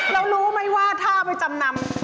เรารู้ไหมว่าถ้าไปจำนำ